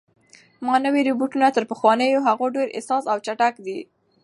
دا نوي روبوټونه تر پخوانیو هغو ډېر حساس او چټک دي.